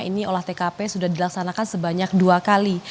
ini olah tkp sudah dilaksanakan sebanyak dua kali